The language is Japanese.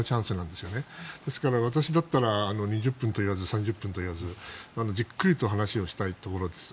ですから、私だったら２０分と言わず３０分と言わずじっくりと話をしたいところです。